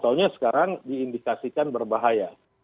soalnya sekarang diindikasikan berbahaya